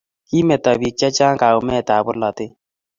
Kimeto bik chechang kaumet ab polatet